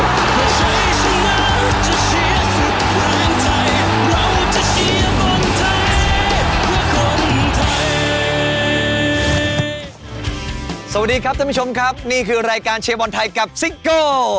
สวัสดีครับท่านผู้ชมครับนี่คือรายการเชียร์บอลไทยกับซิโก้